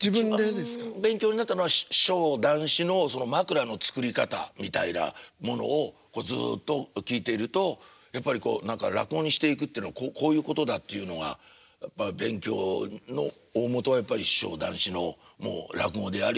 一番勉強になったのは師匠談志のまくらの作り方みたいなものをずっと聴いているとやっぱりこう何か落語にしていくっていうのはこういうことだっていうのが勉強の大本はやっぱり師匠談志の落語であり漫談でしょうね。